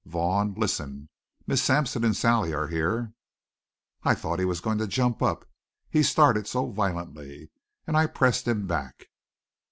"Vaughn, listen. Miss Sampson and Sally are here." I thought he was going to jump up, he started so violently, and I pressed him back.